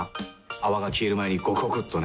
泡が消える前にゴクゴクっとね。